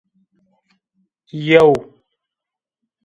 Yew